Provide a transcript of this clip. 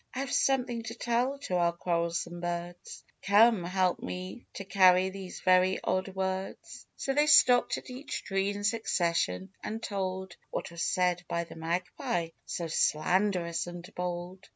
I have something to tell to our quarrelsome birds ; Come, help me to carry these very odd words." So they stopped at each tree in succession, and told What was said by the Magpie, so slanderous and bold.